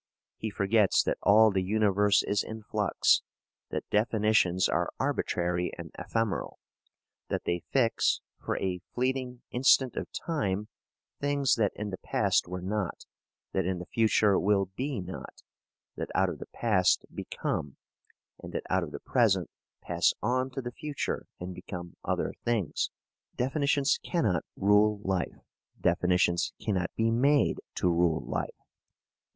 He forgets that all the universe is in flux; that definitions are arbitrary and ephemeral; that they fix, for a fleeting instant of time, things that in the past were not, that in the future will be not, that out of the past become, and that out of the present pass on to the future and become other things. Definitions cannot rule life. Definitions cannot be made to rule life.